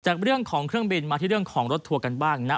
จากเรื่องของเครื่องบินมาที่เรื่องของรถทัวร์กันบ้างนะ